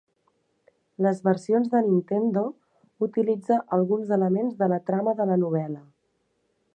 Les versions de Nintendo utilitza alguns elements de la trama de la novel·la.